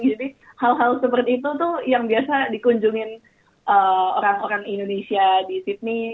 jadi hal hal seperti itu tuh yang biasa dikunjungin orang orang indonesia di sydney